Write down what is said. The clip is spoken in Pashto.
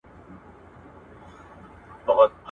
که مالیه ورنکړل سي دولت کمزوری کیږي.